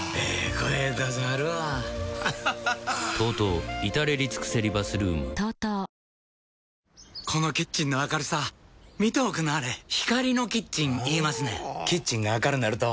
声出さはるわＴＯＴＯいたれりつくせりバスルームこのキッチンの明るさ見ておくんなはれ光のキッチン言いますねんほぉキッチンが明るなると・・・